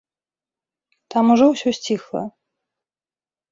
Там ужо ўсё сціхла.